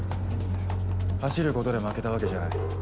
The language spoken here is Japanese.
走ることで負けたわけじゃない。